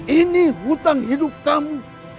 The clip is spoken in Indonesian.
ini hutang hidup kamu